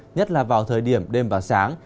nhất là vào thời điểm đêm và sáng